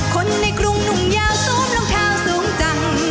คนในกรุงหนุ่มยาวสวมรองเท้าสูงจัง